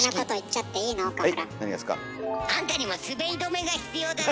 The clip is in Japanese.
あんたにも滑り止めが必要だな。